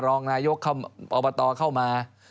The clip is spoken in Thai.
รองนายกอบตเข้ามา